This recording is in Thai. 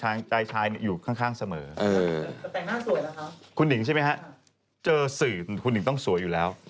แต่งหน้าสวยเหรอคะคุณหนิงใช่ไหมฮะเจอสื่อควรมัดต้องสวยอยู่แล้ว